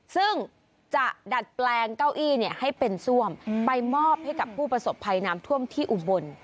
ซึ่งจะดัดแปลงเก้าอี้ให้เป็นซ่วมไปมอบให้กับผู้ประสบภัยน้ำท่วมที่อุบล